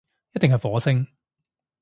一定係火星